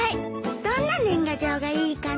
どんな年賀状がいいかな？